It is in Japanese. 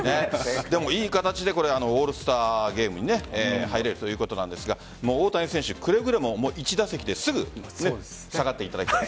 いい形でオールスターゲームに入れるということですが大谷選手、くれぐれも１打席ですぐ下がっていただきたい。